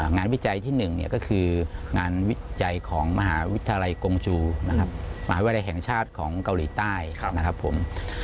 วิจัยที่๑ก็คืองานวิจัยของมหาวิทยาลัยกงจูนะครับมหาวิทยาลัยแห่งชาติของเกาหลีใต้นะครับผม